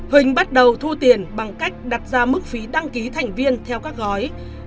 huỳnh bắt đầu thu tiền bằng cách đặt ra mức phí đăng ký thành viên theo các gói